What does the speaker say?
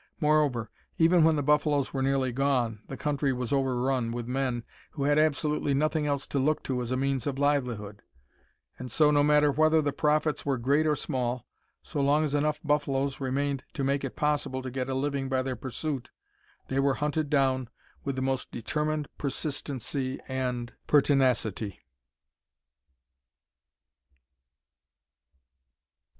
Moreover, even when the buffaloes were nearly gone, the country was overrun with men who had absolutely nothing else to look to as a means of livelihood, and so, no matter whether the profits were great or small, so long as enough buffaloes remained to make it possible to get a living by their pursuit, they were hunted down with the most determined persistency and pertinacity.